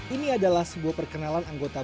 ini adalah sebuah perkenalan anggota